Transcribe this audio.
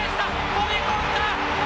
飛び込んだ！